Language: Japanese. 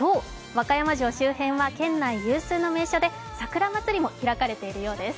和歌山城周辺は県内有数の桜の名所で桜まつりも開かれているようです。